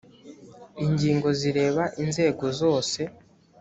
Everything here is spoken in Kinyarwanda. ingingo zireba inzego zose